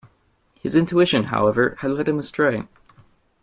His intuition, however, had led him astray.